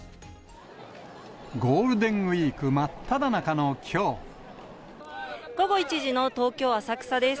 ゴールデンウィーク真っただ午後１時の東京・浅草です。